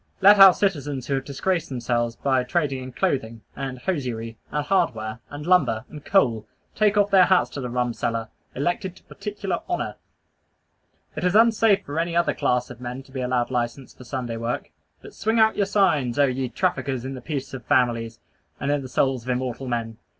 Let our citizens who have disgraced themselves by trading in clothing, and hosiery, and hardware, and lumber, and coal, take off their hats to the rum seller, elected to particular honor. It is unsafe for any other class of men to be allowed license for Sunday work. But swing out your signs, oh ye traffickers in the peace of families, and in the souls of immortal men!